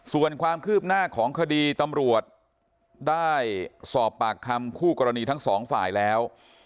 ส่วนความคืบหน้าของคดีตำรวจได้สอบปากคำคู่กรณีทั้งสองฝ่ายแล้ว